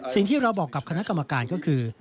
สิ่งที่เราบอกกับคณะกรรมการก็คือ